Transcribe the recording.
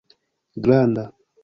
granda